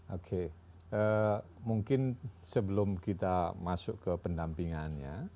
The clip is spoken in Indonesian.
oke mungkin sebelum kita masuk ke pendampingannya